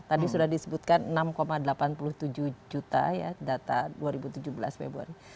tadi sudah disebutkan enam delapan puluh tujuh juta ya data dua ribu tujuh belas februari